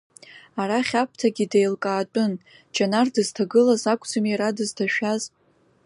Арахь Аԥҭагьы деилкаатәын, Џьанар дызҭагылаз акәӡамзи иара дызҭашәаз.